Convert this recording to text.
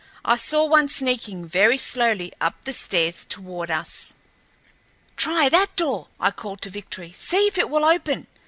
I saw one sneaking very slowly up the stairs toward us. "Try that door," I called to Victory. "See if it will open."